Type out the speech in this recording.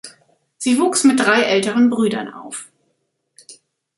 Sie wuchs mit drei älteren Brüdern auf.